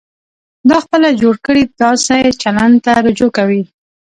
دا خپله جوړ کړي داسې چلند ته رجوع کوي.